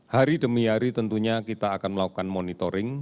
hari demi hari tentunya kita akan melakukan monitoring